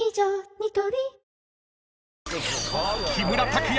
ニトリ［木村拓哉